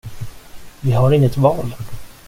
Vi har inget val!